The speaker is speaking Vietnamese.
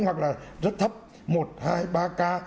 hoặc là rất thấp một hai ba ca